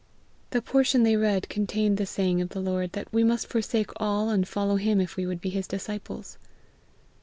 The portion they read contained the saying of the Lord that we must forsake all and follow him if we would be his disciples.